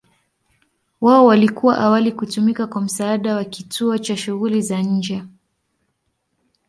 Wao walikuwa awali kutumika kwa msaada wa kituo cha shughuli za nje.